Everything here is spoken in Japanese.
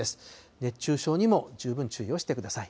熱中症にも十分注意をしてください。